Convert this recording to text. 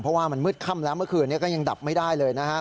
เพราะว่ามันมืดค่ำแล้วเมื่อคืนนี้ก็ยังดับไม่ได้เลยนะฮะ